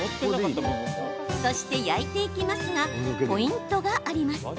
そして、焼いていきますがポイントがあります。